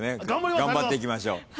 頑張っていきましょう。